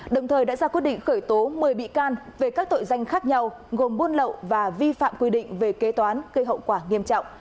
đồng thời đã ra quyết định khởi tố một mươi bị can về các tội danh khác nhau gồm buôn lậu và vi phạm quy định về kế toán gây hậu quả nghiêm trọng